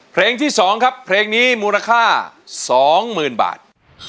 เพลงที่๒ครับเพลงนี้มูลค่า๒๐๐๐บาท